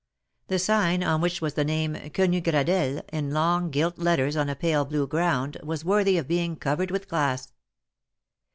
The sign, on which was the name Quenu GradeUe^ in long gilt letters on a pale blue grqund, was worthy of being covered with glass.